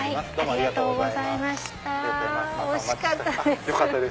ありがとうございます。